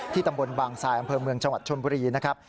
ตำบลบางทรายอำเภอเมืองจังหวัดชนบุรีนะครับ